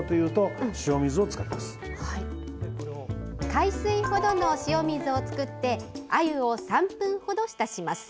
海水ほどの塩水を作ってあゆを３分程浸します。